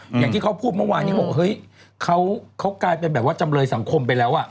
อย่างที่เขาพูดเมื่อวานนี้เขาบอกเฮ้ยเขากลายเป็นแบบว่าจำเลยสังคมไปแล้วอ่ะ